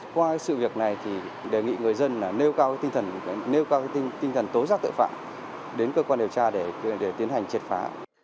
qua sự việc này thì đề nghị người dân nêu cao tinh thần tố giác tội phạm đến cơ quan điều tra để tiến hành triệt phá